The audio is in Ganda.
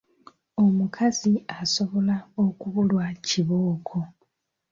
Omukazi asobola okubulwa kibooko.